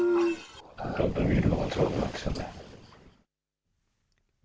だんだん見るのがつらくなってきた。